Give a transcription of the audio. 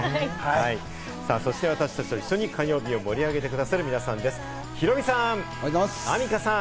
私達と一緒に火曜日を盛り上げて下さる皆さんです。